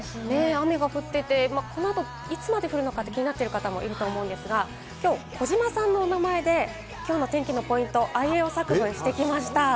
雨が降っていて、いつまで降るのか気になっちゃう方もいると思うんですけど、今日は児嶋さんの名前で今日の天気のポイントをあいうえお作文してきました。